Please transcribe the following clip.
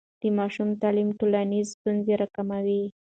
د ماشوم تعلیم ټولنیزې ستونزې راکموي.